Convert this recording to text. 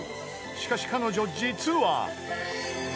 ［しかし彼女実は］